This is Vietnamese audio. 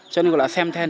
cho nên gọi là xem thanh